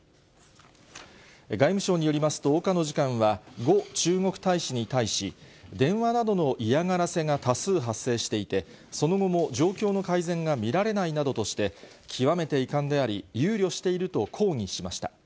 外務省によりますと、岡野次官は呉中国大使に対し、電話などの嫌がらせが多数発生していて、その後も状況の改善が見られないなどとして、極めて遺憾であり、憂慮していると抗議しました。